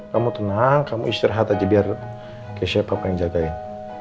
kamu tenang kamu istirahat aja biar ke siapa yang jagain